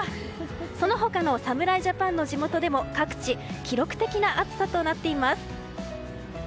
その他の侍ジャパンの地元でも各地記録的な暑さとなっています。